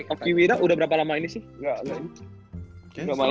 okiwira udah berapa lama ini sih